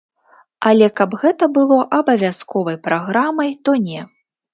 Але каб гэта было абавязковай праграмай, то не.